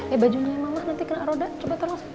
eh bajunya mama nanti kena roda coba terus